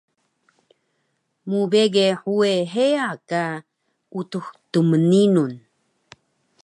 mbege huwe heya ka Utux Tmninun